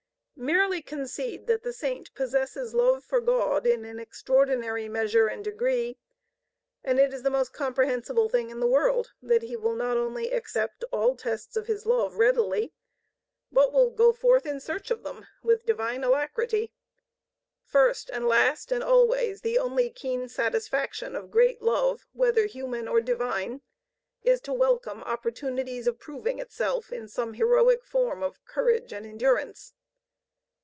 Merely concede that the Saint possesses love for God in an extraordinary measure and degree, and it is the most comprehensible thing in the world that he will not only accept all tests of his love readily, but will go forth in search of them with eager alacrity. First and last and always the only keen satisfaction of great love, whether human or divine, is to welcome opportunities of proving itself in some heroic form of courage and endurance.